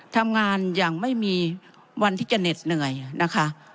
ทำงานอย่างไม่มีวันที่จะเหน็ดเหนื่อยนะคะ